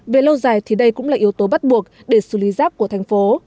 về lâu dài thì đây cũng là yếu tố bắt buộc để xử lý rác của thành phố